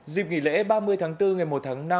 dịp nghỉ lễ ba mươi tháng bốn ngày một tháng năm